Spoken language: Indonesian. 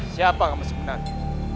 siapa kamu sebenarnya